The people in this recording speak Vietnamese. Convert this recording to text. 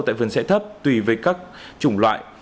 tại vườn xe thấp tùy với các chủng loại